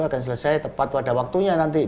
akan selesai tepat pada waktunya nanti